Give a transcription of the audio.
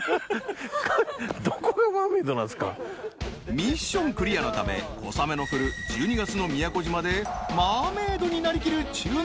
ミッションクリアのため小雨の降る１２月の宮古島でマーメイドになりきる中年